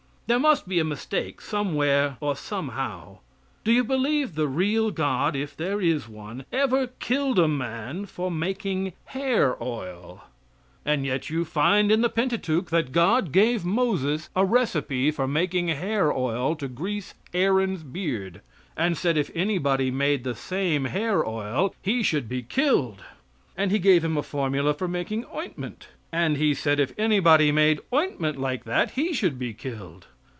There must be a mistake somewhere or somehow. Do you believe the real God if there is one ever killed a man for making hair oil? And yet you find in the Pentateuch that God gave Moses a recipe for making hair oil to grease Aaron's beard; and said if anybody made the same hair oil he should be killed. And He gave him a formula for making ointment, and He said if anybody made ointment like that he should be killed.